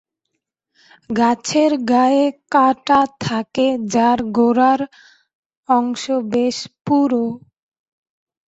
গাছের গায়ে কাঁটা থাকে যার গোড়ার অংশ বেশ পুরু।